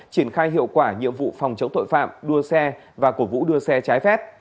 triển khai hiệu quả nhiệm vụ phòng chống tội phạm đua xe và cổ vũ đua xe trái phép